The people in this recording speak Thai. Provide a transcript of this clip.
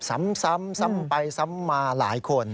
ซ้ำไปซ้ำมาหลายคน